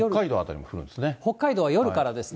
北海道は夜からですね。